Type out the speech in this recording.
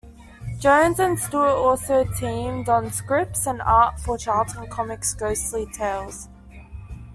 Jones and Stewart also teamed on scripts and art for Charlton Comics' "Ghostly Tales".